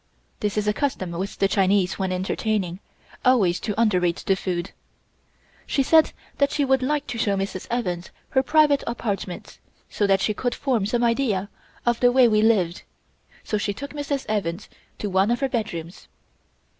(This is a custom with the Chinese when entertaining, always to underrate the food.) She said that she would like to show Mrs. Evans her private apartments, so that she could form some idea of the way we lived, so she took Mrs. Evans to one of her bedrooms.